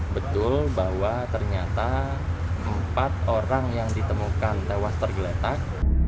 betul bahwa ternyata empat orang yang ditemukan tewas tergeletak